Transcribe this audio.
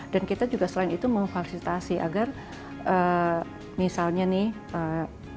dan kita juga selain itu memfasilitasi agar misalnya nih